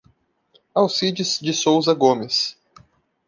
Alcides de Souza Gomes